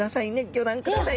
ギョ覧ください。